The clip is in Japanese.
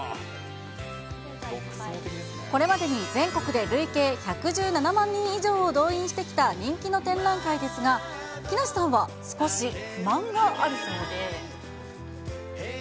これまでに全国で累計１１７万人以上を動員してきた人気の展覧会ですが、木梨さんは少し不満があるそうで。